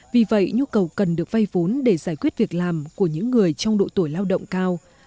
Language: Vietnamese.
vì vậy nhu cầu cần được vay vốn để giải quyết việc làm của những người trong độ tuổi lao động cao